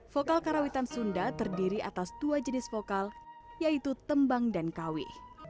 vokal karawitan sunda terdiri atas dua jenis vokal yaitu tembang dan kawi